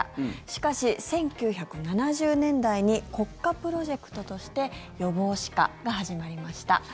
しかし、１９７０年代に国家プロジェクトとして予防歯科が始まりました。